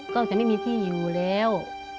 ก็จะไม่มีที่อยู่แล้ว